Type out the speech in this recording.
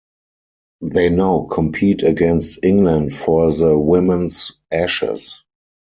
They now compete against England for the Women's Ashes.